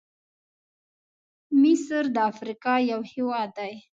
مصرد افریقا یو هېواد دی.